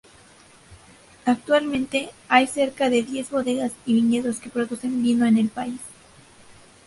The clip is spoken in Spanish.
Actualmente, hay cerca de diez bodegas y viñedos que producen vino en el país.